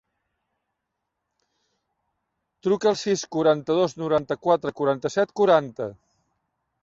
Truca al sis, quaranta-dos, noranta-quatre, quaranta-set, quaranta.